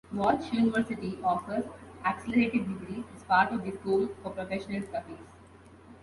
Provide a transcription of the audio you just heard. Walsh University offers accelerated degrees as part of their School for Professional Studies.